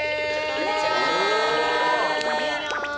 こんにちはー。